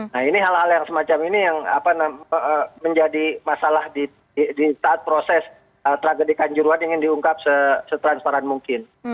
nah ini hal hal yang semacam ini yang menjadi masalah di saat proses tragedi kanjuruan ingin diungkap setransparan mungkin